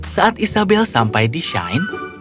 saat isabel sampai di shine